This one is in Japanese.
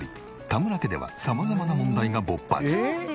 田村家では様々な問題が勃発。